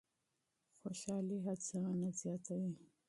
خوشالي هڅونه زیاتوي.